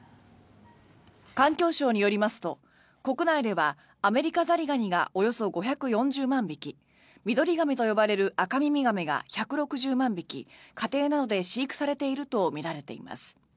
環境省によりますと国内ではアメリカザリガニがおよそ５４０万匹ミドリガメと呼ばれるアカミミガメが１６０万匹家庭などで飼育されているとみられています。